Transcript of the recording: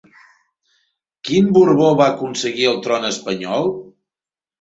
Quin Borbó va aconseguir el tron espanyol?